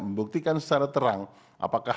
membuktikan secara terang apakah